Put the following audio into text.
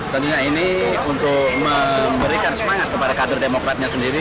tentunya ini untuk memberikan semangat kepada kader demokrat